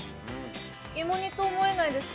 芋煮と思えないです。